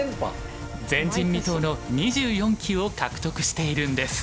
前人未到の２４期を獲得しているんです。